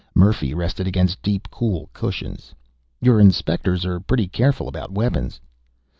Murphy rested against deep, cool cushions. "Your inspectors are pretty careful about weapons."